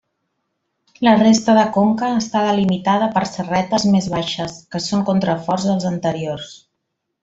La resta de conca està delimitada per serretes més baixes que són contraforts dels anteriors.